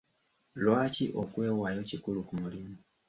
Lwaki okwewaayo kikulu ku mulimu?